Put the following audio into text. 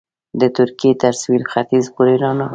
د ترکیې تر سوېل ختیځ پورې رانغاړي.